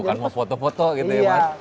bukan mau foto foto gitu ya mas